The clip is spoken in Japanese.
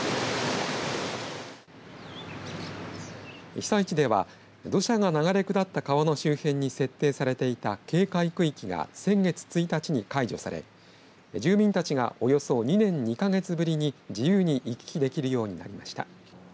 被災地では土砂が流れ下った川の周辺に設定されていた警戒区域が先月１日に解除され住民たちがおよそ２年２か月ぶりに自由に行き来できるようになりました。